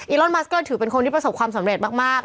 ลอนมัสเกอร์ถือเป็นคนที่ประสบความสำเร็จมาก